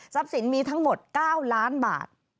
ทรัพย์สินมีทั้งหมด๙ล้านบาท